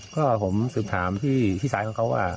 ก็ผมสืบถามพี่ชายของเขาว่า